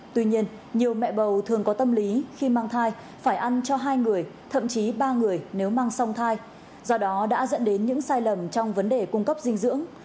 tuy nhiên nhiều mẹ bầu thường có tâm lý khi mang thai phải ăn cho hai người thậm chí ba người nếu mang song thai do đó đã dẫn đến những sai lầm trong vấn đề cung cấp dinh dưỡng